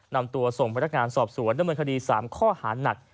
นำตัวส่งพนักงานสอบสวนดำเนินคดี๓ข้อหานัก